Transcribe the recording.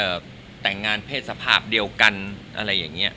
แต่งงานเพศสภาพเดียวกันอะไรอย่างเงี้